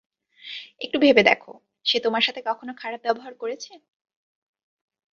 একটু ভেবে দেখো, সে তোমার সাথে কখনো খারাপ ব্যবহার করেছে?